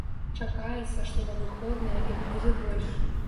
Чакаецца, што на выходныя іх будзе больш.